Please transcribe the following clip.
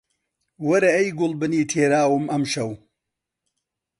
وەرە ئەی گوڵبنی تێراوم ئەمشەو